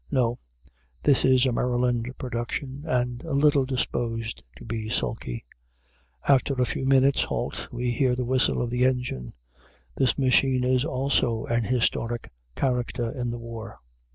No; this is a Maryland production, and a little disposed to be sulky. After a few minutes' halt, we hear the whistle of the engine. This machine is also an historic character in the war.